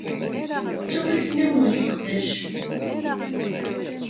Ttuɣ isem-iw n useqdac.